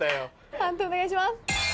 判定お願いします。